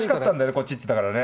こっち行ってたからね。